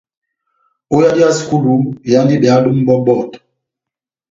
Ó yadi ya sukulu, ihándini behado mʼbɔbɔtɔ.